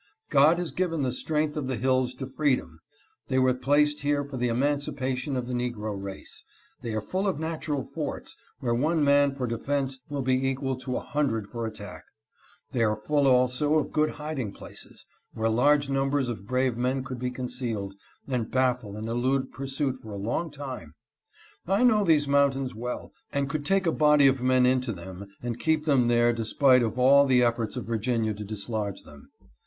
God has given the strength of the hills to freedom ; they were placed here for the emancipation of the negro race ; they are full of natural forts, where one man for defense will be equal to a hundred for attack ; they are full also of good hiding places, where large numbers of brave men could be concealed, and baffle and elude pursuit for a long time. I know these mountains well, and could take a body of men into them and keep them there despite of all the efforts of Virginia to dislodge them.